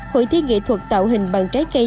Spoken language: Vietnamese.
hội thi nghệ thuật tạo hình bằng trái cây